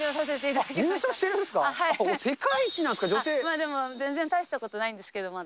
でも全然大したことないんですけど、まだ。